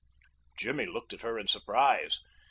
Jimmy looked at her in surprise.